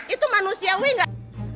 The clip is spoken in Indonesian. itu manusiawi nggak